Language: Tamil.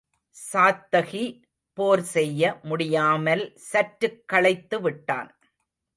சாத்தகி போர் செய்ய முடியாமல் சற்றுக் களைத்து விட்டான்.